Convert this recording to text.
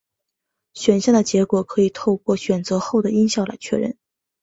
选项的结果可以透过选择后的音效来确认。